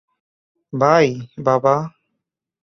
By, বাবা!